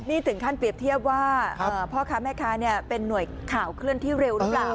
นี่ถึงขั้นเปรียบเทียบว่าพ่อค้าแม่ค้าเป็นหน่วยข่าวเคลื่อนที่เร็วหรือเปล่า